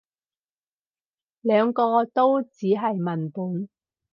兩個都只係文本